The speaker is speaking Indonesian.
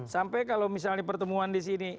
sampai kalau misalnya pertemuan di sini